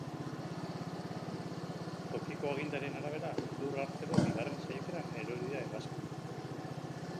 Tokiko agintarien arabera, lur hartzeko bigarren saiakeran erori da hegazkina.